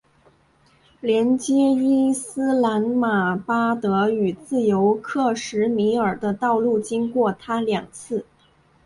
连接伊斯兰马巴德与自由克什米尔的道路经过它两次。